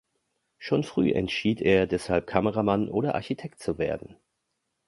Schon früh entschied er deshalb Kameramann oder Architekt zu werden.